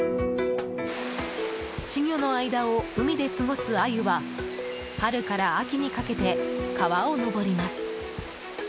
稚魚の間を海で過ごすアユは春から秋にかけて川を上ります。